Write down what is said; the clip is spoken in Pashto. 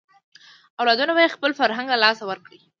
اولادونه به یې خپل فرهنګ له لاسه ورکړي.